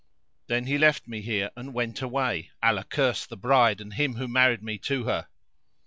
Then he left me here and went away, Allah curse the bride and him who married me to her!"